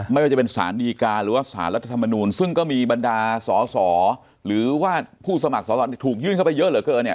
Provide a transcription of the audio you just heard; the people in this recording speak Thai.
ไม่ว่าจะเป็นสารดีการหรือว่าสารรัฐธรรมนูลซึ่งก็มีบรรดาสอสอหรือว่าผู้สมัครสอสอถูกยื่นเข้าไปเยอะเหลือเกินเนี่ย